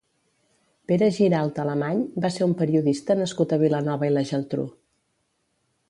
Pere Giralt Alemany va ser un periodista nascut a Vilanova i la Geltrú.